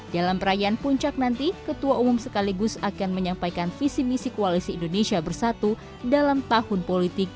dalam perayaan puncak nanti ketua umum sekaligus akan menyampaikan visi misi koalisi indonesia bersatu dalam tahun politik dua ribu dua puluh empat